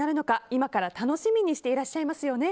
今から楽しみにしていらっしゃいますよね。